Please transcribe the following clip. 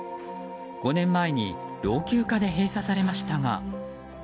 ５年前に老朽化で閉鎖されましたが。